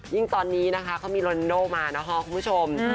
ยิ่งตอนนี้นะคะเขามีลอนโดมานะคะคุณผู้ชม